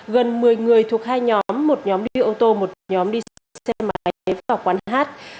gần một mươi người thuộc hai nhóm một nhóm đi ô tô một nhóm đi xe máy vào quán hát